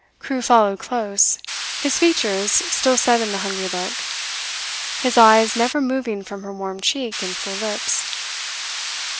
Crewe followed close, his features still set in the hungry look, his eyes never moving from her warm cheek and full lips.